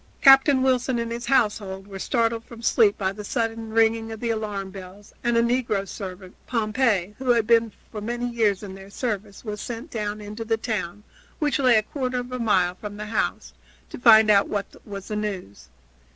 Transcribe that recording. Captain Wilson and his household were startled from sleep by the sudden ringing of the alarm bells, and a negro servant, Pompey, who had been for many years in their service, was sent down into the town, which lay a quarter of a mile from the house, to find out what was the news.